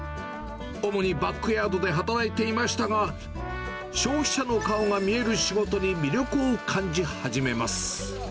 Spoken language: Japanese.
主にバックヤードで働いていましたが、消費者の顔が見える仕事に魅力を感じ始めます。